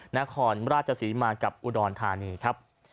นครราชศรีมากับอุดรธานีครับ